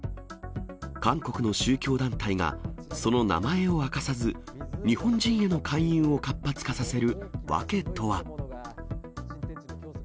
韓国の宗教団体が、その名前を明かさず、日本人への勧誘を活発化させる訳とは。